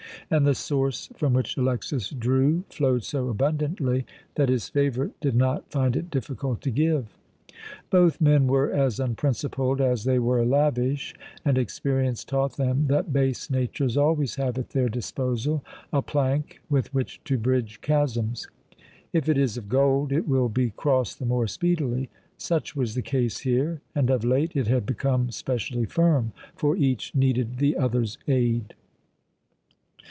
And the source from which Alexas drew flowed so abundantly that his favourite did not find it difficult to give. Both men were as unprincipled as they were lavish, and experience taught them that base natures always have at their disposal a plank with which to bridge chasms. If it is of gold, it will be crossed the more speedily. Such was the case here, and of late it had become specially firm; for each needed the other's aid.